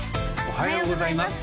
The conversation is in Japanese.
おはようございます